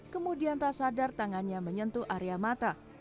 kemudian tak sadar tangannya menyentuh area mata